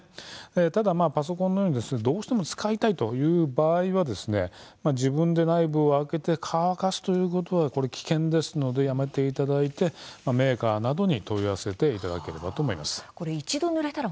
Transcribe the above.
ただパソコンのようにどうしても使いたいという場合は自分で内部を開けて乾かすということは危険ですのでやめていただいてメーカーなどに問い合わせて一度ぬれたら要注意ですね。